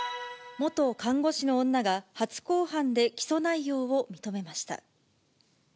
元看護師の女が初公判で起訴内容を認めました。